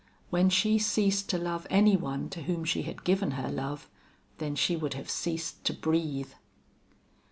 When she ceased to love any one to whom she had given her love then she would have ceased to breathe.